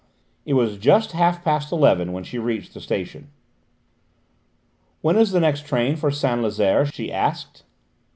It was just half past eleven when she reached the station. "When is the next train for Saint Lazaire?" she asked.